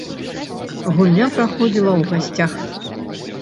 Гульня праходзіла ў гасцях.